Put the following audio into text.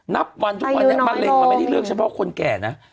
นับวันทุกวันนี้มะเร็งมันไม่ได้เลือกเฉพาะคนแก่นะ